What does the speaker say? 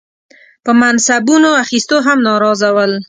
په منصبونو اخیستو هم ناراضه ول.